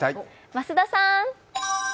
増田さーん。